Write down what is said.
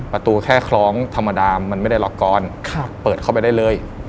ประตูแค่คล้องธรรมดามันไม่ได้ล็อกกอนเปิดเข้าไปได้เลย